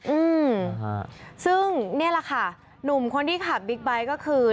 อืมฮะซึ่งนี่แหละค่ะหนุ่มคนที่ขับบิ๊กไบท์ก็คือ